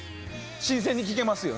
新鮮に聴けますよ。